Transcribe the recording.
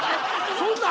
そんなの。